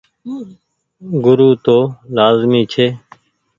گورو تو لآزمي ڇي۔